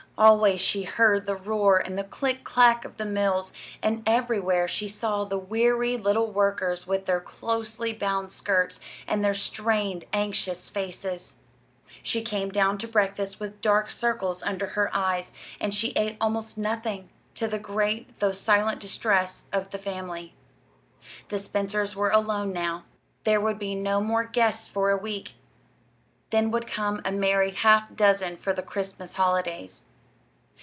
Always she heard the roar and the click clack of the mills, and everywhere she saw the weary little workers with their closely bound skirts, and their strained, anxious faces. She came down to breakfast with dark circles under her eyes, and she ate almost nothing, to the great, though silent, distress of the family. The Spencers were alone now. There would be no more guests for a week, then would come a merry half dozen for the Christmas holidays.